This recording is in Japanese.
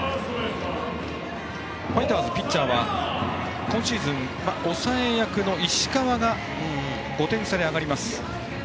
ファイターズのピッチャーは今シーズン抑え役の石川が５点差で上がります。